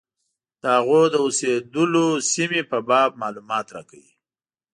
د هغوی د اوسېدلو سیمې په باب معلومات راکوي.